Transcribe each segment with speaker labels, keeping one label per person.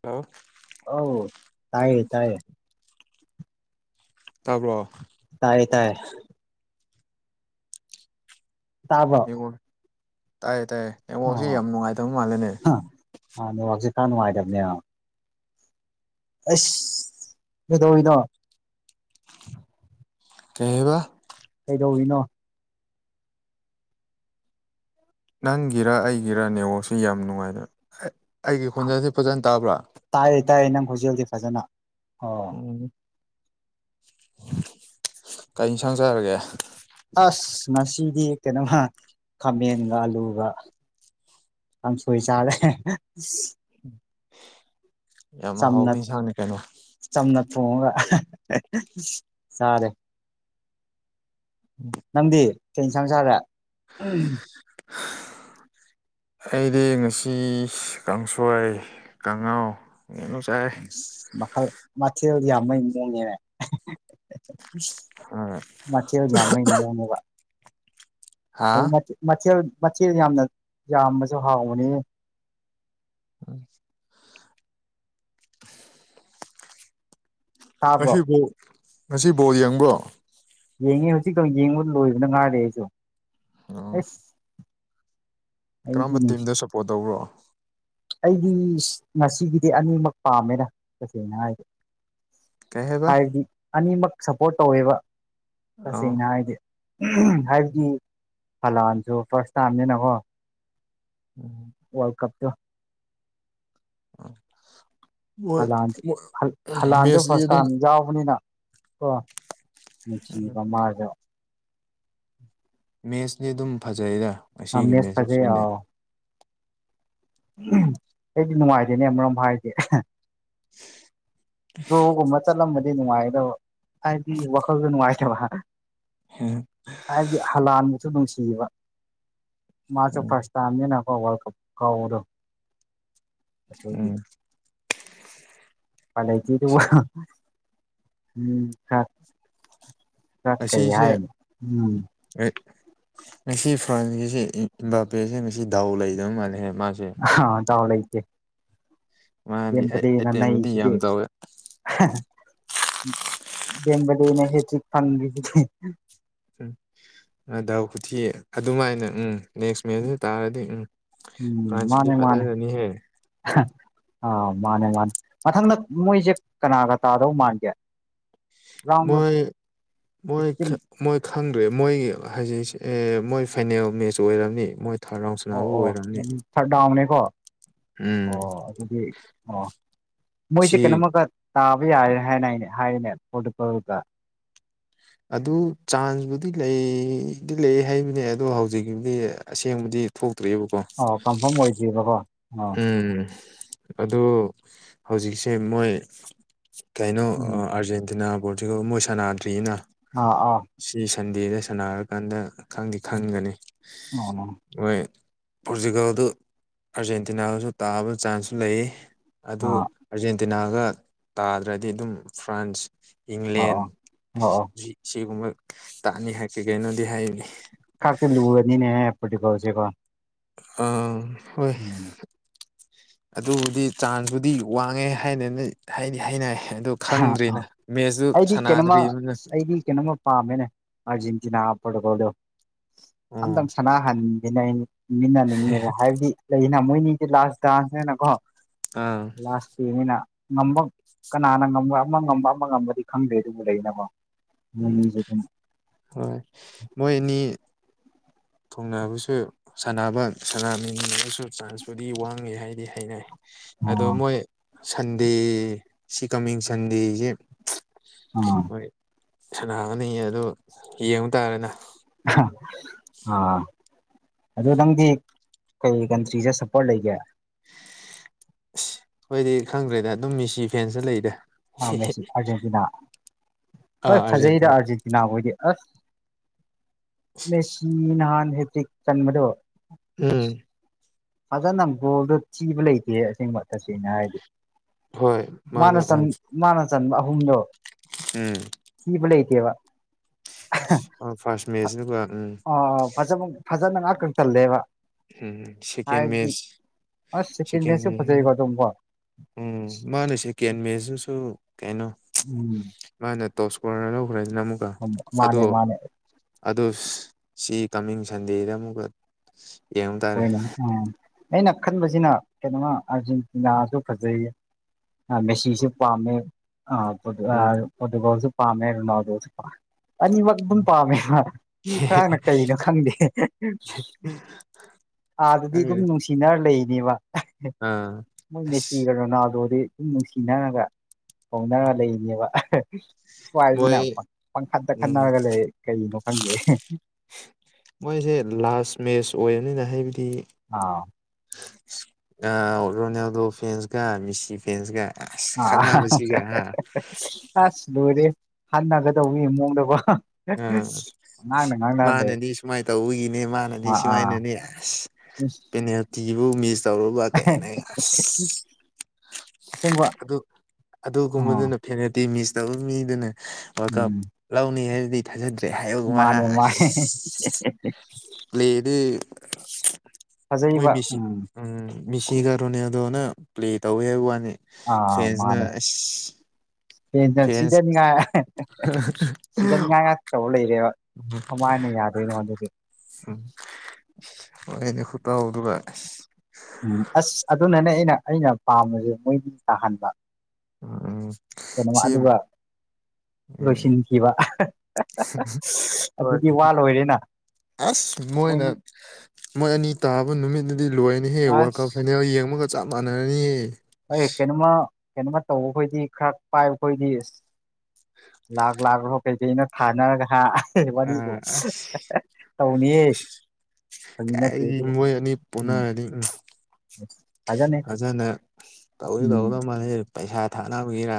Speaker 1: hello
Speaker 2: ꯑꯎ ꯇꯌꯦ ꯇꯥꯏꯌꯦ
Speaker 1: ꯇꯥꯕ꯭ꯔꯣ
Speaker 2: ꯇꯥꯏ ꯇꯥꯏ ꯇꯥꯕꯔ‌ꯣ
Speaker 1: ꯇꯥꯏ ꯇꯥꯏꯌꯦ ꯅꯦꯠꯋꯥꯛꯁꯤ ꯌꯥꯝ ꯅꯨꯡꯉꯥꯏꯇꯕ ꯃꯥꯜꯂꯦꯅꯦ
Speaker 2: ꯀ ꯅꯨꯡꯉꯥꯏꯇꯕꯅꯦ ꯑꯥꯁ ꯀꯗꯣ ꯏꯗꯣ
Speaker 1: ꯀꯧꯌ‌ꯦꯕꯥ
Speaker 2: ꯀꯩꯗꯧꯔꯤꯅꯣ
Speaker 1: ꯅꯪꯒꯤꯔ ꯑꯩꯒꯤꯔꯥ ꯅꯦꯉꯣꯁꯤ ꯌꯥꯝ ꯅꯨꯡꯉꯥꯏꯗ ꯑꯩꯒꯤ ꯈꯣꯟꯖꯁꯤ ꯐꯖꯅ ꯇꯥꯕ꯭ꯔꯥ
Speaker 2: ꯍꯧꯍꯩꯖꯤꯛ ꯐꯖꯅ ꯑꯣ
Speaker 1: ꯎꯝ ꯀꯔꯤ ꯌꯦꯟꯁꯥꯡ ꯆꯥꯔꯒꯦ
Speaker 2: ꯑꯁ ꯉꯁꯤꯗꯤ ꯀꯩꯅꯣꯃ ꯈꯥꯃꯦꯟꯒ ꯑꯂꯨꯒ ꯀꯝ ꯁꯏ ꯆꯥꯂꯦ
Speaker 1: ꯌꯥꯝ ꯍꯥꯎꯕ
Speaker 2: ꯆꯝꯅꯛ
Speaker 1: ꯏꯟꯁꯥꯡꯅꯤ ꯀꯩꯅꯣ
Speaker 2: ꯆꯝꯅꯛ ꯐꯣꯡꯉ ꯁꯔꯦ ꯅꯪꯗꯤ ꯀ ꯌꯦꯟꯁꯥꯡꯁꯥꯗ
Speaker 1: [unintelligible] ꯑꯩꯗꯤ ꯉꯁꯤ ꯀꯥꯡꯁꯣꯏ ꯀꯥꯡꯉꯥꯎ ꯍꯅꯁꯔ
Speaker 2: ꯃꯈꯜ ꯃꯊꯦꯜ ꯌꯥꯝ ꯃꯩ ꯃꯑꯣꯡꯅ‌ꯦ ꯃꯊ‌ꯦꯜ ꯌꯥꯝꯕꯩ ꯃꯋ‌ꯣꯡꯅ‌ꯦꯕ
Speaker 1: ꯍꯥ
Speaker 2: ꯃꯊꯦꯜ ꯃꯊꯦꯜ ꯌꯥꯝꯅ ꯌꯥꯝꯕꯁꯨ ꯍꯥꯎꯕꯅꯤ
Speaker 1: ꯎꯝ
Speaker 2: ꯇꯥꯕ꯭ꯔꯣ
Speaker 1: ꯉꯁꯤꯐꯧ ꯉꯁꯤ ꯕ‌ꯣꯜ ꯌꯦꯡꯕꯣ
Speaker 2: ꯌꯦꯡꯉꯤ ꯍꯧꯖꯤꯛꯀ ꯌꯦꯡꯕ ꯂꯣꯏꯕꯅ ꯉꯥꯏꯔꯦ ꯑꯩꯁꯨ
Speaker 1: ꯑ
Speaker 2: ꯑꯩꯗꯤꯅꯨꯡ
Speaker 1: ꯁꯞꯄꯣꯔꯠ ꯇꯧꯕ꯭ꯔꯣ
Speaker 2: ꯑꯩꯗꯤ ꯉꯁꯤꯒꯤꯗꯤ ꯑꯅꯤꯃꯛ ꯄꯥꯝꯃꯦꯅ ꯇꯁꯦꯡꯅꯉꯥꯏꯁ
Speaker 1: ꯀꯩ ꯍꯥꯏꯕ
Speaker 2: ꯍꯥꯏꯕꯗꯤ ꯑꯅꯤꯃꯛ ꯁꯞꯄꯣꯔꯠ ꯇꯧꯋꯦꯕ
Speaker 1: ꯑꯣ
Speaker 2: ꯇꯁꯦꯡꯅ ꯍꯥꯏꯗꯤ ꯍꯥꯏꯕꯗꯤ ꯐꯜꯂ ꯑꯁꯨ ꯐꯔꯁ ꯇ ꯍꯥꯝꯗꯅ ꯀꯣ ꯋꯥꯔꯜꯗ ꯀꯞꯇ
Speaker 1: ꯎꯝ
Speaker 2: ꯂꯥꯟ ꯍꯂꯥꯟꯁꯨ
Speaker 1: ꯃꯦꯠꯁꯇꯤ
Speaker 2: ꯐꯥꯔꯁ
Speaker 1: ꯑꯗꯨꯝ
Speaker 2: ꯇꯥꯝ ꯌꯥꯎꯕꯅꯤꯅ ꯀꯣ ꯅꯨꯡꯁꯤꯕ ꯃꯥꯗꯣ
Speaker 1: ꯃꯦꯠꯁꯅꯤ ꯑꯗꯨꯝ ꯐꯖꯩꯔ ꯉꯁꯤꯒꯤ
Speaker 2: ꯃꯦꯁ
Speaker 1: ꯃꯦꯠꯁꯁꯦ
Speaker 2: ꯐꯖꯩ
Speaker 1: ꯁꯩꯅꯩ
Speaker 2: ꯑꯥꯎ ꯑꯩꯗꯤ ꯅꯨꯡꯉꯥꯏꯖꯦꯅꯦ ꯑꯃꯣꯝ ꯍꯥꯏꯁꯦ ꯣꯒꯨꯝꯕ ꯆꯠꯂꯝꯕꯗꯤ ꯅꯨꯡꯉꯥꯏꯗꯕ ꯍꯥꯏꯗꯤ ꯋꯥꯈꯜꯗ ꯅꯨꯡꯉꯥꯏꯇꯕ ꯍꯥꯏꯔ
Speaker 1: ꯎꯝ
Speaker 2: ꯍꯥꯏꯗꯤ ꯍꯂꯥꯟ ꯁꯨ ꯅꯨꯡꯁꯤꯕ ꯃꯥꯁꯨꯦ ꯐꯥꯔꯁꯇꯥꯅꯦꯅ ꯑꯩꯈꯣꯏ ꯋꯥꯔꯜ ꯀꯞ ꯀꯥꯎꯕꯗꯣ ꯑꯒꯤ
Speaker 1: ꯎꯝ
Speaker 2: ꯐꯂꯗꯤ ꯎꯝ ꯆꯀꯩ
Speaker 1: ꯉꯁꯤꯁꯦ
Speaker 2: ꯍꯥꯏꯅ ꯎꯝ
Speaker 1: ꯉꯁꯤ ꯐ꯭ꯔꯥꯟꯁꯦ ꯏ ꯕꯥꯕꯦꯁꯦ ꯉꯁꯤ ꯗꯥꯎ ꯂꯩꯗꯧ ꯃꯥꯜꯂꯦ ꯍꯥꯏꯕ
Speaker 2: ꯑ ꯇ ꯂꯩꯇꯦ
Speaker 1: ꯃꯥꯗꯤ
Speaker 2: ꯗ‌‌ꯦꯝꯕ‌ꯦꯂ‌ꯦ‌ꯅ ꯅꯩ
Speaker 1: ꯑꯦꯇꯦꯝꯕꯨꯗꯤ ꯌꯥꯝ
Speaker 2: ꯁꯤꯗꯤ
Speaker 1: ꯇꯧꯋꯦ
Speaker 2: ꯗ‌ꯦꯝꯕ‌ꯦꯂ‌ꯦꯅ ꯍꯦꯇ꯭ꯔꯤꯠ ꯐꯪꯏꯁꯤꯗꯤ
Speaker 1: ꯎꯝ ꯑꯗ ꯈꯨꯊꯤ ꯑꯗꯨꯃꯥꯏꯅ ꯎꯝ ꯅꯦꯛꯁ ꯃꯦꯠꯆꯁꯤ ꯇꯥꯔꯗꯤ ꯎꯝ
Speaker 2: ꯎꯝ
Speaker 1: ꯐ꯭ꯔꯥꯟꯁꯁꯤꯗꯤ
Speaker 2: ꯃꯥꯅꯦ ꯃꯥꯅꯦ
Speaker 1: ꯐꯠꯍꯔꯅꯤꯍꯦ
Speaker 2: ꯑꯥ ꯃꯥꯅꯦ ꯃꯥꯅꯦ ꯃꯊꯪꯗ ꯃꯣꯏꯁꯦ ꯀꯅꯥꯒ ꯇꯥꯗꯧ ꯃꯥꯟꯒꯦ ꯔꯥꯎꯟ
Speaker 1: ꯃꯣꯏ ꯃꯣꯏ
Speaker 2: ꯁꯤꯛꯁꯇꯤꯟ
Speaker 1: ꯃꯣꯏ ꯈ ꯃꯣꯏ ꯍꯧꯖꯤꯛꯁꯦ ꯃꯣꯏ ꯐꯥꯏꯅꯦꯜ ꯃꯦꯠꯆ ꯑꯣꯏꯔꯝꯅꯤ ꯃꯣꯏ ꯊꯥꯔꯠ ꯔꯥꯎꯟ ꯁꯅꯥꯕꯨ
Speaker 2: ꯑꯣ
Speaker 1: ꯑꯣꯏꯔꯝꯅꯤ
Speaker 2: ꯑꯣꯎꯅꯦ ꯀꯣ
Speaker 1: ꯎꯝ
Speaker 2: ꯑꯣ ꯑꯗꯨꯗꯤ ꯑꯣ ꯃꯣꯏꯁꯦ
Speaker 1: ꯁꯤ
Speaker 2: ꯀꯩꯅꯣꯝꯃꯒ ꯇꯥꯕ ꯌꯥꯔꯦ ꯍꯥꯏꯅ ꯑ ꯍꯥꯏꯔꯤꯅꯦ ꯄꯣꯇꯨꯀꯜꯒ
Speaker 1: ꯑꯗꯨ ꯆꯥꯟꯁꯕꯨꯨꯗꯤ ꯂꯩꯗꯤ ꯂꯩ ꯍꯥꯏꯕꯅꯦ ꯑꯗꯣ ꯍꯧꯖꯤꯛꯀꯤꯕꯨꯗꯤ ꯑꯁꯦꯡꯕꯗꯤ ꯊꯣꯛꯇ ꯌꯦꯕꯀꯣ
Speaker 2: ꯑꯣ ꯀꯟꯐꯥꯔꯝ ꯑꯣꯏꯗ꯭ꯔꯤꯕꯀꯣ ꯑꯣ
Speaker 1: ꯎꯝ ꯑꯗꯨ ꯍꯧꯖꯤꯛꯁꯦ ꯃꯣꯏ ꯀꯩꯅꯣ ꯑ
Speaker 2: ꯎꯝ
Speaker 1: ꯑꯥꯔꯖꯦꯟꯇꯤꯅꯥ ꯄꯣꯔꯇꯨꯒꯜ ꯃꯣꯏ ꯁꯥꯟꯅꯥꯗ꯭ꯔꯤꯅ
Speaker 2: ꯑꯥ ꯑꯥ
Speaker 1: ꯁꯤ ꯁꯟꯗꯦꯗꯩꯩ ꯁꯥꯟꯅꯔꯀꯥꯟꯗ ꯈꯪꯗꯤ ꯈꯟꯒꯅꯤ
Speaker 2: ꯑꯣ
Speaker 1: ꯃꯣꯏ ꯄꯣꯔꯇꯨꯒꯜꯗꯨ ꯑꯥꯔꯖꯦꯟꯇꯤꯅꯥꯗꯨꯁꯨ ꯇꯥꯕ ꯆꯥꯟꯁꯁꯨ ꯂꯩꯌꯦ ꯑꯗꯨ
Speaker 2: ꯑꯥ
Speaker 1: ꯑꯥꯔꯖꯦꯟꯇꯤꯅꯥꯒ ꯇꯥꯗ꯭ꯔꯗꯤ ꯑꯗꯨꯝ ꯐ꯭ꯔꯥꯟꯁ
Speaker 2: ꯑꯣ
Speaker 1: ꯏꯪꯂꯦꯟ
Speaker 2: ꯑꯣ ꯑꯣ ꯑꯣ
Speaker 1: ꯁꯤꯒꯨꯝꯕ ꯇꯥꯅꯤ ꯍꯥꯏ ꯀꯩ ꯀꯩꯅꯣꯗꯤ ꯍꯥꯏꯝꯅꯤ
Speaker 2: ꯈꯥꯛꯇ ꯂꯨꯔꯅꯤꯅꯦ ꯄꯣꯔꯇꯨꯒꯜꯁꯦꯒꯣ
Speaker 1: ꯑꯥ
Speaker 2: ꯎꯝ
Speaker 1: ꯑꯗꯨꯕꯨꯗꯤ ꯆꯥꯟꯁꯕꯨꯨꯗꯤ ꯋꯥꯡꯉꯦ ꯍꯥꯏꯅꯅꯦ ꯍꯥꯏꯗꯤ ꯍꯥꯏꯅꯩ ꯑꯗꯨ
Speaker 2: ꯑ ꯑꯥ
Speaker 1: ꯈꯪꯗ꯭ꯔꯤꯅ ꯃꯦꯠꯁꯇꯨ
Speaker 2: ꯑꯩꯗꯤ ꯀꯩꯅꯣꯝꯃ
Speaker 1: ꯁꯥꯟꯅꯗ꯭ꯔꯤꯕꯅꯤꯅ
Speaker 2: ꯑꯩꯗꯤ ꯀꯩꯅꯣꯃ ꯄꯥꯝꯃꯦꯅꯦ ꯑꯥꯔꯖꯦꯟ ꯇꯤꯅꯥ ꯄꯣꯔꯇꯨꯒꯜ ꯗꯨ
Speaker 1: ꯑꯣ
Speaker 2: ꯑꯝꯇꯪ ꯁꯥꯟꯅꯍꯟꯒꯦꯅ ꯃꯤꯟꯅꯅꯤꯡꯅꯦꯕ ꯍꯥꯏꯕꯗꯤ ꯂꯩꯅ ꯃꯣꯏꯅꯗꯤ ꯂꯥꯁ ꯗꯥꯟꯁꯅꯦꯅ ꯀꯣ
Speaker 1: ꯑꯥ
Speaker 2: ꯂꯥꯁ ꯄꯂꯦꯅꯤꯅ ꯉꯝꯕ ꯀꯅꯥꯅ ꯉꯝ ꯕ ꯑꯃ ꯉꯝꯕ ꯑꯃ ꯉꯝꯕꯗꯤ ꯈꯪꯗꯦ ꯑꯗꯨꯕꯨ ꯂꯩꯅꯀꯣ
Speaker 1: ꯎꯝ
Speaker 2: ꯃꯣꯏꯅꯤꯁꯨ ꯑꯗꯨꯝ
Speaker 1: ꯍꯣꯏ ꯃꯣꯏꯅꯤ ꯊꯨꯡꯅꯕꯁꯨ ꯁꯥꯟꯅꯕ ꯁꯥꯟꯅꯃꯤꯟꯅꯕꯁꯨ ꯆꯥꯟꯁꯄꯨꯗꯤ ꯋꯥꯡꯉꯦ ꯍꯥꯏꯗꯤ ꯍꯥꯏꯅꯩ ꯑꯗꯣ
Speaker 2: ꯑꯥ
Speaker 1: ꯃꯣꯏ ꯁꯟꯗꯦ ꯁꯤ ꯀꯃꯤꯡ ꯁꯟꯗꯦꯁꯤ
Speaker 2: ꯎꯝ
Speaker 1: ꯁꯅꯥꯒꯅꯤꯌꯦ ꯑꯗꯨ ꯌꯦꯡꯕ ꯇꯥꯔꯦꯅ
Speaker 2: ꯑꯍꯥ ꯑ ꯑꯗꯨ ꯅꯪꯗꯤ ꯀꯩ ꯀꯟꯇ꯭ꯔꯤꯁꯦ ꯁꯞꯄꯣꯔꯠ ꯂꯩꯒꯦ
Speaker 1: ꯑꯁ ꯍꯣꯏꯗꯤ ꯈꯪꯗ꯭ꯔꯦꯗ ꯑꯗꯨꯝ ꯃꯦꯁꯤ ꯐꯦꯟꯗ ꯂꯩꯗ
Speaker 2: ꯑ ꯃꯦꯁꯤ ꯑꯥꯔꯖꯦꯟꯇꯤꯅꯥ
Speaker 1: ꯑꯥ
Speaker 2: ꯍꯣꯏ ꯐꯖꯩꯗ
Speaker 1: ꯑꯥꯔꯖꯦꯟꯇꯤꯅꯥ
Speaker 2: ꯑꯥꯔꯖꯦꯟꯇꯤꯅꯥꯍꯣꯏꯗꯤ ꯑꯁ ꯃꯦꯁꯤ ꯅꯍꯥꯟ ꯍꯦꯛꯇꯔꯤꯛ ꯆꯟꯕꯗꯣ
Speaker 1: ꯎꯝ
Speaker 2: ꯐꯖꯅ ꯒꯣꯜꯗꯣ ꯊꯤꯕ ꯂꯩꯇꯦ ꯑꯁꯦꯡꯕ ꯇꯁꯦꯡꯅ ꯍꯥꯏꯗꯤ
Speaker 1: ꯍꯣꯏ
Speaker 2: ꯃꯥꯅ
Speaker 1: ꯃꯥꯗꯣ
Speaker 2: ꯆꯟ ꯃꯥꯅ ꯆꯟꯕ ꯑꯍꯨꯝꯗꯣ
Speaker 1: ꯎꯝ
Speaker 2: [unintelligible]
Speaker 1: ꯎꯝ ꯐꯥꯔꯁ ꯃꯦꯠꯆꯇꯨꯒ ꯎꯝ
Speaker 2: ꯐꯆꯃ ꯐꯖꯅ ꯉꯥꯛꯇꯥ ꯆꯜꯂꯦꯕ
Speaker 1: ꯎꯝ ꯁꯤꯀꯦꯟ
Speaker 2: ꯍꯥꯏꯗꯤ
Speaker 1: ꯃꯦꯁ
Speaker 2: ꯑꯁ ꯁꯦꯀꯦꯟ
Speaker 1: ꯁꯤꯀꯦꯟ
Speaker 2: ꯃꯦꯠꯁꯁꯨ
Speaker 1: ꯃꯦ
Speaker 2: ꯐꯖꯩꯀꯣ ꯑꯗꯨꯝꯀꯣ
Speaker 1: [unintelligible] ꯎꯝ ꯃꯥꯅꯦ ꯁꯦꯀꯦꯟ ꯃꯦꯁꯨꯁꯨ ꯀꯩꯅꯣ
Speaker 2: ꯎꯝ
Speaker 1: ꯃꯥꯅ ꯇꯣꯞ ꯏꯁꯀꯣꯔꯔ ꯂꯧ ꯍꯨꯔꯦꯟꯅ ꯑꯃꯨꯛꯀ ꯑꯗꯣ
Speaker 2: ꯃꯥꯅꯦ ꯃꯥꯅꯦ
Speaker 1: ꯑꯗꯨꯁ ꯁꯤ ꯀꯃꯤꯡ ꯁꯟꯗꯦꯗ ꯑꯃꯨꯛꯀ ꯌꯦꯡꯕ ꯇꯥꯔꯦ
Speaker 2: ꯍꯣꯏꯅꯦ ꯑ ꯑꯩꯅ ꯈꯟ ꯕꯁ ꯖꯤꯅ ꯀꯩꯅꯣꯃ ꯑꯥꯔꯖꯦꯟꯇꯤꯅꯥꯁꯨ ꯐꯖꯩ ꯑ ꯃꯦꯁꯤꯁꯨ ꯄꯥꯝꯃꯦ ꯑ ꯄꯣꯔꯇꯨ ꯑ
Speaker 1: ꯎꯝ
Speaker 2: ꯄꯣꯠꯇꯨꯒꯜꯁꯨ ꯄꯥꯝꯃꯦ ꯔꯣꯅꯥꯜꯗꯣꯁꯨ ꯄꯥꯃꯦ ꯑꯅꯤꯃꯛ ꯑꯗꯨꯝ ꯄꯥꯝꯃꯦꯕ ꯃꯤ ꯈꯔꯥꯅ ꯀꯩꯅꯣ ꯈꯪꯗꯦ ꯑꯥꯗꯗꯤ ꯑꯗꯨꯝ
Speaker 1: ꯅꯪꯒꯤꯗꯤ
Speaker 2: ꯅꯨꯡꯁꯤꯅꯔ ꯂꯩꯅꯦꯕ
Speaker 1: ꯑꯥ
Speaker 2: ꯃꯣꯏ
Speaker 1: ꯑꯁ
Speaker 2: ꯃꯦꯁꯤꯒ ꯔꯣꯅꯥꯜꯗꯣꯗꯤ ꯗꯨꯝ ꯅꯨꯡꯁꯤꯅꯔꯒ ꯐꯧꯅꯔ ꯂꯩꯔꯤꯅꯦꯕ ꯁꯋꯥꯏꯁꯤꯅꯥ
Speaker 1: ꯃꯣꯏ
Speaker 2: ꯄꯪ ꯄꯥꯡꯈꯠꯇ
Speaker 1: ꯎꯝ
Speaker 2: ꯈꯠꯅꯔꯒ ꯂꯩ ꯀꯩꯅꯣ ꯈꯪꯗꯦ
Speaker 1: ꯃꯣꯏꯁꯦ ꯂꯥꯁ ꯃꯦꯁ ꯑꯣꯏꯅꯤꯅ ꯍꯥꯏꯅꯤ
Speaker 2: ꯑꯥ
Speaker 1: ꯑ ꯔꯣꯅꯥꯜꯗꯣ ꯐꯦꯟꯁꯒ ꯃꯤꯁꯤ ꯐꯦꯟꯁꯒ
Speaker 2: ꯑ ꯑꯁ ꯂꯣꯏꯔꯦ ꯍꯟꯅꯒꯗꯧꯅꯤ ꯃꯑꯣꯡꯗꯒꯣ
Speaker 1: ꯑ
Speaker 2: ꯂꯩ
Speaker 1: ꯃꯥꯅꯗꯤ ꯁꯨꯃꯥꯏ ꯇꯧꯕꯒꯤꯅꯦ ꯃꯥꯅꯗꯤ
Speaker 2: ꯑꯥ ꯑꯥ
Speaker 1: ꯁꯨꯃꯥꯏꯅꯅꯦ ꯑꯁ ꯄꯦꯅꯥꯜꯇꯤꯕꯨ ꯃꯤꯁ ꯇꯧꯔꯨꯕ ꯀꯩꯅꯦ ꯑꯁ
Speaker 2: ꯑꯁꯦꯡꯕ
Speaker 1: ꯑꯗꯨ
Speaker 2: ꯑꯥ
Speaker 1: ꯑꯗꯨꯒꯨꯝꯕꯗꯨꯅ ꯐꯦꯅꯗꯤ ꯃꯤꯁ ꯇꯧꯕ ꯃꯤꯗꯨꯅ ꯋꯥꯔꯜ ꯀꯞ
Speaker 2: ꯎꯝ
Speaker 1: ꯂꯧꯅꯤ ꯍꯥꯏꯕꯗꯤ ꯊꯥꯖꯗ꯭ꯔꯦ
Speaker 2: ꯃꯥꯅꯦ
Speaker 1: [unintelligible] ꯑꯁ
Speaker 2: ꯃꯥꯅꯦ
Speaker 1: ꯄ꯭ꯂꯦꯗꯤ ꯃꯣꯏ ꯃꯤꯁꯤ ꯎꯝ ꯃꯤꯁꯤꯒ ꯔꯣꯅꯥꯜꯗꯣꯅ ꯄ꯭ꯂꯦ ꯇꯧꯋꯦ ꯍꯥꯏꯕ ꯋꯥꯅꯤ ꯐꯦꯟꯁꯅ ꯑꯁ
Speaker 2: ꯏꯁꯄꯦꯟꯅ
Speaker 1: ꯐꯦꯟꯁ
Speaker 2: ꯁꯤꯗꯅꯤꯡꯉꯥꯏ ꯁꯤꯗꯅꯤꯡꯉꯥꯏ ꯉꯥꯛꯇ ꯇꯧꯔ ꯂꯩꯔꯦꯕ ꯀꯃꯥꯏꯅ ꯌꯥꯗꯣꯏꯅꯣ ꯑꯗꯨꯗꯤ
Speaker 1: ꯍꯣꯏꯅꯦ ꯈꯨꯠꯇꯧꯗꯨꯒ ꯑꯁ
Speaker 2: ꯎꯝ ꯑꯁ ꯑꯗꯨꯅꯅꯦ ꯑꯩꯅ ꯑꯩꯅ ꯄꯥꯝꯕꯁꯦ ꯃꯣꯏꯗꯤ ꯇꯥꯍꯟꯕ
Speaker 1: ꯎꯝ
Speaker 2: ꯀꯩꯅꯣ
Speaker 1: ꯁꯤ
Speaker 2: ꯑꯗꯨꯒ
Speaker 1: ꯎꯝ
Speaker 2: ꯂꯣꯏꯁꯤꯟꯈꯤꯕ
Speaker 1: ꯍꯣꯏ
Speaker 2: ꯑꯗꯨꯗꯤ ꯋꯥ ꯂꯣꯏꯔꯦꯅ
Speaker 1: ꯑꯁ
Speaker 2: ꯃꯣꯏ
Speaker 1: ꯃꯣꯏꯅ ꯃꯣꯏ ꯑꯅꯤ ꯇꯥꯕ ꯅꯨꯃꯤꯠ ꯗꯤ ꯂꯣꯏꯔꯅꯤꯍꯦ ꯋꯥꯔꯜ
Speaker 2: ꯑꯁ
Speaker 1: ꯀꯞ ꯐꯥꯏꯅꯦꯜ ꯌꯦꯡꯕꯒ ꯆꯞ ꯃꯥꯟꯅꯔꯅꯤꯍꯦ
Speaker 2: ꯀꯩꯅꯣꯃ ꯇꯧꯕ ꯑꯩꯈꯣꯏꯗꯤ ꯈꯔ ꯄꯥꯏꯕꯈꯣꯏꯗꯤ ꯑꯁ ꯂꯥꯛ ꯂꯥꯛꯂꯣ ꯀꯩꯀꯩꯅꯣ ꯊꯥꯅꯔꯒ ꯍꯥ ꯋꯥꯔꯤꯕꯣ
Speaker 1: ꯑ ꯑꯁ
Speaker 2: ꯇꯧꯅꯤꯍꯦ ꯐꯥꯒꯤ ꯅꯠꯇꯦ
Speaker 1: ꯀꯥꯏꯗꯩ
Speaker 2: ꯑꯗꯨꯕꯨ
Speaker 1: ꯃꯣꯏꯅꯤ ꯄꯣꯅꯔꯗꯤ ꯎꯝ
Speaker 2: [inaudible]
Speaker 1: ꯐꯖꯅ ꯇꯧꯗꯤ
Speaker 2: ꯎꯝ
Speaker 1: ꯇꯧꯗꯧ ꯃꯥꯜꯂꯤꯍꯦ ꯄꯩꯁꯥ ꯊꯥꯅꯕꯒꯤꯔꯥ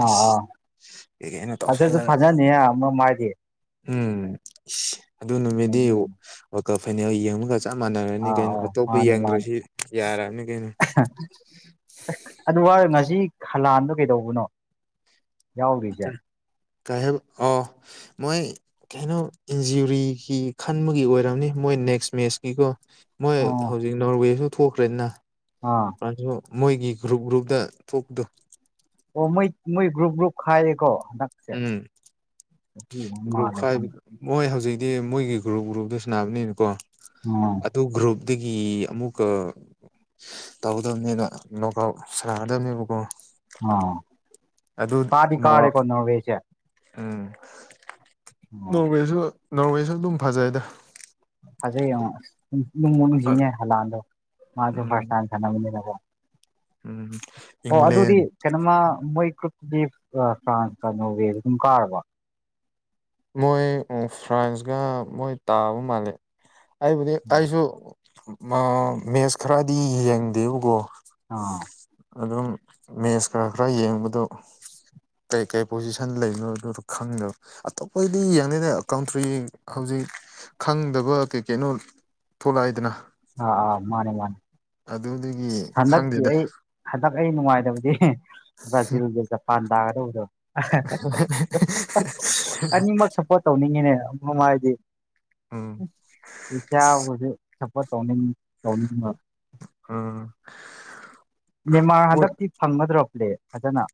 Speaker 2: ꯑ ꯑꯥ ꯑꯁꯤꯁꯨ
Speaker 1: ꯇꯧꯁꯜꯂꯒ
Speaker 2: ꯐꯖꯅꯤ ꯑꯃ ꯃꯥꯒꯤ
Speaker 1: ꯎꯝ ꯑꯗꯨ ꯅꯨꯃꯤꯗꯤ
Speaker 2: ꯅꯩꯗꯤ ꯅꯩ
Speaker 1: ꯋꯥꯜ ꯀꯞ ꯐꯥꯅꯦꯜ ꯌꯦꯡꯕꯒ ꯆꯞ ꯆꯞ ꯃꯥꯟꯅꯔꯅꯤ
Speaker 2: ꯑꯥ
Speaker 1: ꯀꯩꯅꯣ
Speaker 2: ꯑꯥ
Speaker 1: ꯑꯇꯣꯞꯄ
Speaker 2: ꯃꯥꯅꯦ ꯃꯥꯅꯦ
Speaker 1: ꯌꯦꯡꯗ꯭ꯔꯁꯨ ꯌꯥꯔꯛꯑꯅꯤ ꯀꯩꯅꯣ
Speaker 2: ꯑꯦ ꯑꯗꯨ ꯍꯥꯏꯔ ꯉꯁꯤ ꯈꯂꯥꯟꯗꯣ ꯀꯩꯗꯧꯕꯅꯣ ꯌꯥꯎꯗꯤꯁꯦ
Speaker 1: ꯀꯩ ꯍꯥꯏꯕ ꯑꯣ ꯃꯣꯏ ꯀꯩꯅꯣ ꯏꯟꯖꯨꯔꯤꯒꯤ ꯈꯟꯕꯒꯤ ꯑꯣꯏꯔꯝꯅꯤ ꯃꯣꯏꯅ ꯅꯦꯛꯁ ꯃꯦꯠꯁꯀꯤꯀꯣ ꯃꯣꯏ
Speaker 2: ꯑꯥ
Speaker 1: ꯍꯧꯖꯤꯛ ꯅꯣꯔꯋꯦꯁꯨ ꯊꯣꯛꯈ꯭ꯔꯦꯗꯅ
Speaker 2: ꯑꯥ
Speaker 1: ꯐ꯭ꯔꯥꯟꯁ ꯁꯨ ꯃꯣꯏꯒꯤ ꯒ꯭ꯔꯨꯞ ꯒ꯭ꯔꯨꯞꯇ ꯊꯣꯛꯄꯗꯨ
Speaker 2: ꯑꯣ ꯃꯣꯏ ꯃꯣꯏ ꯒ꯭ꯔꯨꯞ ꯒ꯭ꯔꯨꯞ ꯈꯥꯏꯌꯦꯀꯣ
Speaker 1: ꯎꯝ ꯒ꯭ꯔꯨꯞ
Speaker 2: ꯃꯥꯜꯂꯦ
Speaker 1: ꯈꯥꯏꯕ
Speaker 2: ꯈꯪꯗꯦ
Speaker 1: ꯃꯣꯏ ꯍꯧꯖꯤꯛ ꯗꯤ ꯃꯣꯏꯒꯤ ꯒ꯭ꯔꯨꯞ ꯒ꯭ꯔꯨꯞꯇ ꯁꯅꯕꯅꯤꯅꯀꯣ
Speaker 2: ꯎꯝ
Speaker 1: ꯑꯗꯨ ꯒ꯭ꯔꯨꯞ ꯗꯒꯤ ꯑꯃꯨꯛꯀ ꯇꯧꯗꯕꯅꯦꯗ ꯅꯣꯛꯑꯥꯎꯠ ꯁꯥꯟꯅꯒꯗꯕꯅꯦꯕꯀꯣ
Speaker 2: ꯑ
Speaker 1: ꯑꯗꯨ
Speaker 2: ꯀꯥꯗꯤ ꯀꯥꯔꯦ
Speaker 1: ꯅꯣꯛꯑꯥꯎꯠ
Speaker 2: ꯀꯣ ꯅꯣꯔꯋꯦꯁꯦ
Speaker 1: ꯎꯝ
Speaker 2: ꯑꯣ
Speaker 1: ꯅꯣꯔꯋꯦꯁꯨ ꯅꯣꯔꯋꯦꯁꯨ ꯑꯗꯨꯝ ꯐꯖꯩꯗ
Speaker 2: ꯐꯖꯩ ꯌꯦꯡꯉꯣ ꯅꯨꯡꯕꯨ ꯅꯨꯡꯁꯤꯅꯦ ꯍꯜꯂꯥꯟꯗꯣ ꯃꯥꯁꯨ ꯐꯥꯔꯁ
Speaker 1: ꯎꯝ
Speaker 2: ꯇꯥꯏꯝ ꯁꯥꯟꯅꯕꯅꯤꯅꯀꯣ
Speaker 1: ꯎꯝ
Speaker 2: ꯑꯣ
Speaker 1: ꯏꯪꯂꯦꯟ
Speaker 2: ꯑꯗꯨꯗꯤ ꯀꯩꯅꯣꯃ ꯃꯣꯏ ꯒ꯭ꯔꯨꯞ ꯇꯤ ꯑ ꯐ꯭ꯔꯥꯟꯁ ꯀ ꯅꯣꯔꯋꯦ ꯒ ꯑꯗꯨꯝ ꯀꯥꯔꯕꯣ
Speaker 1: ꯃꯣꯏ ꯐ꯭ꯔꯥꯟꯁꯀ ꯃꯣꯏ ꯇꯥꯕ ꯃꯥꯂꯦ ꯑꯩꯕꯨꯗꯤ ꯑꯩꯁꯨ ꯃꯥ ꯃꯦꯁ ꯈꯔꯗꯤ ꯌꯦꯡꯗꯦꯕꯀꯣ
Speaker 2: ꯑꯥ
Speaker 1: ꯃꯦꯁ ꯈꯔ ꯈꯔ ꯌꯦꯡꯕꯗꯨ ꯀꯩ ꯀꯩ ꯄꯣꯖꯤꯁꯟ ꯂꯩꯅꯣ ꯑꯗꯨ ꯗꯨ ꯈꯪꯗꯕ ꯑ ꯑꯈꯣꯏꯗꯤ ꯌꯦꯡꯅꯤꯗ ꯀꯥꯎꯟꯇ꯭ꯔꯤ ꯍꯧꯖꯤꯛ ꯈꯪꯗꯕ ꯀꯩ ꯀꯩꯅꯣ ꯊꯣꯛꯂꯛꯏꯗꯅ
Speaker 2: ꯑꯥ ꯑꯥ ꯃꯥꯅꯦ ꯃꯥꯅꯦ
Speaker 1: ꯑꯗꯨꯗꯒꯤ
Speaker 2: ꯑꯁ ꯍꯟꯗꯛꯀꯤ
Speaker 1: ꯈꯪꯗꯦꯗ
Speaker 2: ꯑꯩ ꯍꯟꯗꯛ ꯑꯩ ꯅꯨꯡꯉꯥꯏꯇꯕꯗꯤ ꯕ꯭ꯔꯖꯤꯜꯒ ꯖꯄꯥꯟ ꯇꯥꯒꯗꯕ ꯗꯣ [unintelligible] ꯑꯅꯤꯃꯛ ꯁꯞꯄꯣꯔꯠ ꯇꯧꯅꯤꯡꯉꯤꯅꯦ ꯅꯨꯡꯉꯥꯏꯗꯤ
Speaker 1: ꯎꯝ
Speaker 2: ꯏꯆꯥꯕꯨꯁꯨꯛ ꯁꯞꯄꯣꯔꯠ ꯇꯧꯅꯤꯡꯉꯤ ꯇꯧꯅꯤꯡꯕ
Speaker 1: [unintelligible]
Speaker 2: ꯃꯦꯟꯃꯥꯔ
Speaker 1: ꯍꯣꯏ
Speaker 2: ꯍꯟꯗꯛꯇꯤ ꯐꯪꯒꯗ꯭ꯔꯕ꯭ꯂꯦ ꯐꯖꯅ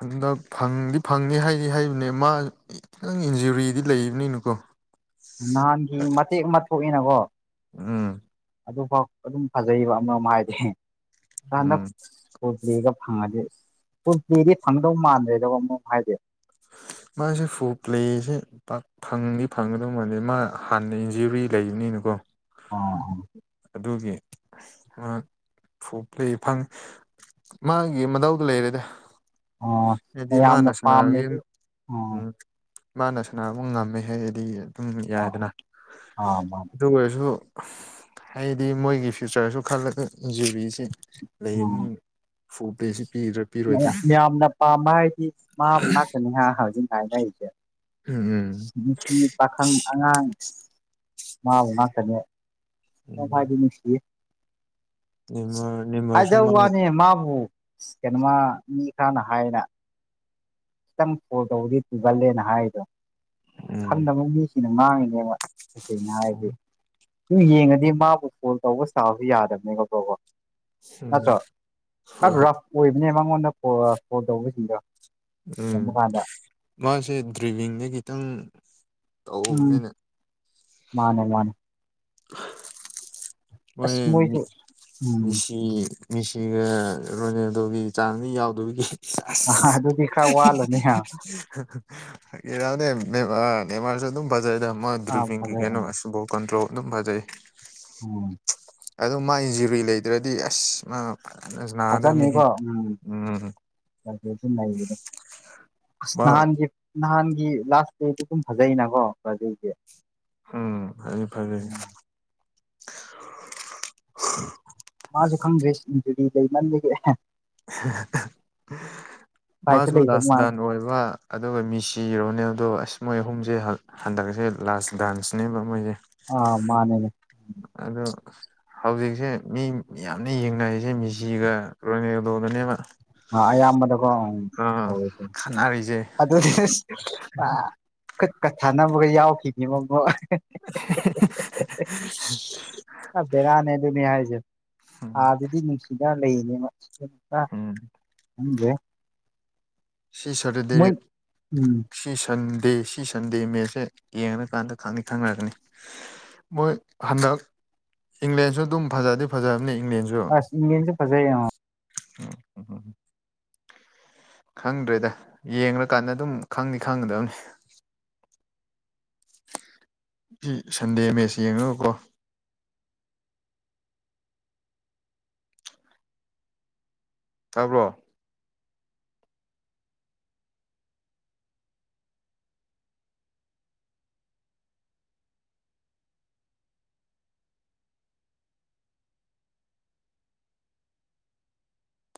Speaker 1: ꯍꯟꯗꯛ ꯐꯪꯗꯤ ꯐꯪꯅꯤ ꯍꯥꯏꯅꯤ ꯍꯥꯏ ꯅꯦ ꯃꯥ ꯈꯤꯇꯪ ꯏꯟꯖꯨꯔꯤꯗꯤ ꯂꯩꯕꯅꯤꯅꯨꯀꯣ
Speaker 2: ꯅꯍꯥꯟꯒꯤ ꯃꯇꯦꯛ ꯑꯃ ꯊꯣꯛꯏꯅꯀꯣ
Speaker 1: ꯎꯝ
Speaker 2: ꯑꯗꯨꯐꯥꯎ ꯑꯗꯨꯝ ꯐꯖꯕ ꯑꯃ ꯑꯃ ꯍꯥꯏꯗꯤ
Speaker 1: ꯎꯝ
Speaker 2: ꯍꯟꯗꯛꯒ ꯐꯪꯉꯗꯤ ꯀꯟꯇꯗꯤ ꯐꯪꯗꯧ ꯃꯥꯟꯗ꯭ꯔꯦꯗꯧꯕ ꯑꯃꯨꯛ ꯍꯥꯏꯗꯤ
Speaker 1: ꯃꯥꯁꯦ ꯐꯨ ꯄ꯭ꯂꯦꯁꯦ ꯐꯪꯗꯤ ꯐꯪꯒꯗꯧ ꯃꯥꯜꯦ ꯃꯥ ꯍꯥꯟꯅ ꯏꯟꯖꯨꯔꯤ ꯂꯩꯕꯅꯤ ꯀꯅꯀꯣ
Speaker 2: ꯑ ꯑ
Speaker 1: ꯑꯗꯨꯒꯤ [unintelligible] ꯐꯪ ꯃꯥꯒꯤ ꯃꯗꯎꯗꯨ ꯂꯩ ꯂꯩꯔꯗ
Speaker 2: ꯑꯣ ꯌꯥꯝꯌꯥꯝꯅ ꯄꯥꯝꯃꯦꯁꯨ ꯑ
Speaker 1: ꯎꯝ ꯃꯥꯅ ꯁꯥꯟꯅꯕ ꯉꯝꯃꯦ ꯍꯥꯏꯗꯤ ꯑꯗꯨꯝ
Speaker 2: ꯑꯣ
Speaker 1: ꯌꯥꯏꯗꯅ
Speaker 2: ꯑꯥ ꯃꯥꯅꯦ
Speaker 1: ꯑꯗꯨ ꯑꯣꯏꯔꯁꯨ ꯍꯥꯏꯗꯤ ꯃꯣꯏꯒꯤ ꯐ꯭ꯌꯨꯆꯔꯁꯨ ꯈꯜꯂꯨꯒ ꯏꯟꯖꯨꯔꯤꯁꯤ ꯂꯩꯍꯟꯅꯤꯡꯗ‌ꯦ
Speaker 2: ꯃꯅ ꯄꯥꯝꯕ ꯍꯥꯏꯗꯤ ꯃꯥ ꯉꯥꯛꯀꯅꯤ ꯍꯥꯏ ꯍꯧꯖꯤꯛ ꯀꯥꯏꯉꯆꯦ
Speaker 1: ꯎꯝ
Speaker 2: ꯄꯥꯈꯪ ꯑꯉꯥꯡ ꯃꯥ ꯀꯅꯦ ꯁꯤ
Speaker 1: ꯎꯝ
Speaker 2: ꯊꯖꯤꯅꯤꯁꯤ
Speaker 1: ꯅꯦꯃꯥꯔ ꯅꯦꯃꯥꯔꯁꯨ
Speaker 2: ꯍꯥꯏꯖꯧ
Speaker 1: ꯃꯥꯒꯤ
Speaker 2: ꯋꯥꯅꯤ ꯃꯥꯕꯨꯕꯨ ꯁꯅꯦꯃꯥ ꯃꯤ ꯈꯅ ꯍꯥꯏꯅ ꯈꯤꯇꯪ ꯐꯣꯟ ꯇꯧꯕꯗꯤ ꯄꯨꯨꯒꯜꯂꯦꯅ ꯍꯥꯏꯗꯣ
Speaker 1: ꯎꯝ
Speaker 2: ꯈꯪꯗꯕ ꯃꯤꯁꯤꯅ ꯉꯥꯡꯉꯤꯅꯦꯕ ꯇꯦꯡꯅ ꯍꯥꯏꯔꯗꯤ
Speaker 1: ꯎꯝ
Speaker 2: ꯁꯨꯝ ꯌꯦꯡꯉꯗꯤ ꯃꯥꯕꯨ ꯐꯣꯟ ꯇꯧꯕ ꯁꯥꯕꯁꯨ ꯌꯥꯗꯕꯅꯦ ꯈꯕ꯭ꯔꯣꯕꯣ ꯅꯠꯇ꯭ꯔꯣ
Speaker 1: ꯍꯣꯏ
Speaker 2: ꯈꯔ
Speaker 1: ꯍꯣꯏ
Speaker 2: ꯔꯐ ꯑꯣꯏꯕꯅꯦ ꯃꯉꯣꯟꯗ ꯐꯣꯜ ꯇꯧꯕꯁꯤꯡꯗꯣ
Speaker 1: ꯎꯝ
Speaker 2: ꯌꯦꯡꯕ ꯀꯥꯟꯗ
Speaker 1: ꯃꯥꯁꯦ ꯗ꯭ꯔꯤꯚꯡꯗ ꯈꯤꯇꯪ
Speaker 2: ꯎꯝ
Speaker 1: ꯇꯧꯅꯤꯅ
Speaker 2: ꯃꯥꯅꯦ ꯃꯥꯅꯦ
Speaker 1: ꯃꯣꯏ
Speaker 2: ꯑꯁ ꯃꯣꯏꯁꯨ ꯎꯝ
Speaker 1: ꯁꯤ ꯃꯤꯁꯤꯒ ꯔꯣꯅꯦꯗꯣꯒꯤ ꯆꯥꯡꯗꯤ ꯌꯥꯎꯗꯕꯒꯤ
Speaker 2: ꯑꯗꯨꯗꯤ ꯈꯔ ꯋꯥꯠꯂꯅꯤ
Speaker 1: ꯑꯁ ꯅꯦꯃꯥꯔꯁꯨ ꯑꯗꯨꯝ ꯕꯖꯔꯗ ꯑꯃ
Speaker 2: ꯑꯥ
Speaker 1: ꯗꯔꯤꯡꯒꯤ
Speaker 2: ꯐꯖꯩ ꯑꯥ
Speaker 1: ꯀꯩꯅꯣꯕꯣ ꯀꯟꯇ꯭ꯔꯣ ꯑꯗꯨꯝ ꯐꯖꯩ
Speaker 2: ꯎꯝ
Speaker 1: ꯑꯗꯨ ꯃꯥ ꯏꯟꯖꯨꯔꯤ ꯂꯩꯗ꯭ꯔꯗꯤ ꯑꯁ ꯃꯥ ꯑ ꯁꯅꯥꯗ ꯃꯤ
Speaker 2: ꯐꯖꯅꯤꯀꯣ
Speaker 1: ꯎꯝ
Speaker 2: [unintelligible]
Speaker 1: ꯃꯥ
Speaker 2: ꯅꯍꯥꯟꯗꯤ ꯂꯥꯁ ꯗꯦꯗꯤ ꯑꯗꯨꯝ ꯐꯖꯩꯅꯀꯣ
Speaker 1: ꯎꯝ ꯐꯔ‌ꯦ ꯐꯔꯦ
Speaker 2: ꯃꯥꯁꯨ ꯈꯪꯗ꯭ꯔꯦꯗꯤ ꯂꯩ ꯅꯟꯗꯒꯤ
Speaker 1: [unintelligible]
Speaker 2: ꯎꯄꯥꯏꯁꯨ
Speaker 1: ꯃꯥꯁꯨ
Speaker 2: ꯂꯩꯇꯕ ꯃꯥꯜꯂꯦ
Speaker 1: ꯂꯥꯁꯗꯥꯟ ꯑꯣꯏꯕ ꯑꯗꯨꯒ ꯃꯤꯁꯤ ꯔꯣꯅꯦꯜꯗꯣ ꯑꯁ ꯃꯣꯏ ꯑꯍꯨꯝꯁꯦ ꯍꯟꯗꯛꯁꯦ ꯂꯥꯁ ꯗꯥꯟꯁꯅꯦꯕ ꯃꯣꯏꯁꯦ
Speaker 2: ꯑ ꯃꯥꯅꯦꯅꯦ
Speaker 1: ꯑꯗꯣ ꯍꯧꯖꯤꯛꯁꯦ ꯃꯤ ꯃꯌꯥꯝꯅ ꯌꯦꯡꯅꯔꯤꯁꯦ ꯃꯤꯁꯤꯒ ꯂꯣꯏꯅꯒꯗꯧꯕꯗꯅꯦꯕ
Speaker 2: ꯑ ꯑꯌꯥꯝꯕꯗ ꯀ
Speaker 1: ꯈꯠꯅꯔꯤꯁꯦ
Speaker 2: ꯑꯗꯨꯗꯤ ꯈꯨꯠꯀꯠ ꯊꯥꯅꯕꯒ ꯌꯥꯎꯈꯤꯅꯦ ꯃ
Speaker 1: [unintelligible]
Speaker 2: ꯕꯦꯉꯥꯅꯦ ꯑꯗꯨꯅ ꯍꯥꯏꯁꯦ ꯑ
Speaker 1: ꯎꯝ
Speaker 2: ꯑꯗꯨꯗꯤꯅꯨꯡꯁꯤ ꯌꯥ ꯂꯩꯅꯦ
Speaker 1: ꯑꯝ
Speaker 2: ꯈꯪꯗ꯭ꯔꯦ
Speaker 1: ꯁꯤ
Speaker 2: ꯃꯣꯏ
Speaker 1: ꯁꯔꯗꯤ
Speaker 2: ꯎꯝ
Speaker 1: ꯁꯤ ꯁꯟ ꯗꯦ ꯁꯤ ꯁꯟꯗꯦ ꯃꯦꯠꯁꯦ ꯌꯦꯡꯉꯀꯥꯟꯗ ꯈꯪꯅꯤ ꯈꯪꯅꯔꯒꯅꯤ ꯃꯣꯏ ꯍꯟꯗꯛ ꯏꯪꯂꯦꯟꯁꯨ ꯑꯗꯨꯝ ꯐꯖꯗꯤ ꯐꯖꯕꯅꯤ
Speaker 2: ꯑꯁ ꯏꯪꯁ ꯐꯖꯩ
Speaker 1: ꯍ ꯍ [unintelligible] ꯈꯪꯗ꯭ꯔꯦꯗ ꯌꯦꯡꯀꯥꯟꯗ ꯑꯗꯨꯝ ꯈꯪꯗꯤ ꯈꯪꯒꯗꯕꯅꯤ ꯁꯟꯗꯦ ꯃꯁ ꯌꯦꯡꯉꯣꯀꯣ ꯇꯥꯕ꯭ꯔꯣ